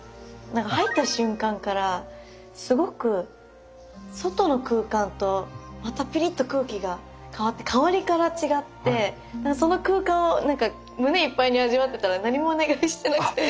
何か入った瞬間からすごく外の空間とまたピリッと空気が変わって香りから違ってその空間を胸いっぱいに味わってたら何もお願いしてなくて。